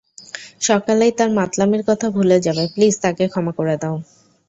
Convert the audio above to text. সকালেই তার মাতলামির কথা ভুলে যাবে, প্লিজ তাকে ক্ষমা করে দাও।